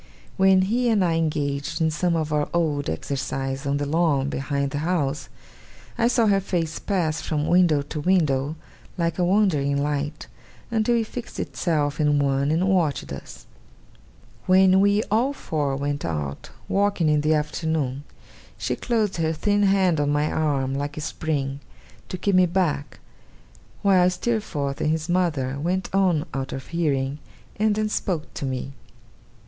When he and I engaged in some of our old exercises on the lawn behind the house, I saw her face pass from window to window, like a wandering light, until it fixed itself in one, and watched us. When we all four went out walking in the afternoon, she closed her thin hand on my arm like a spring, to keep me back, while Steerforth and his mother went on out of hearing: and then spoke to me.